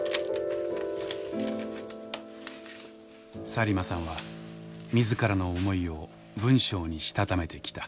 サリマさんは自らの思いを文章にしたためてきた。